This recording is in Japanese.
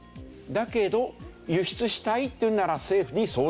だけど輸出したいっていうなら政府に相談してください。